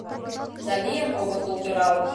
Да лийын огытыл тӧралык.